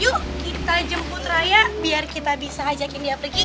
yuk kita jemput raya biar kita bisa ajak india pergi